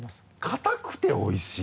硬くておいしい？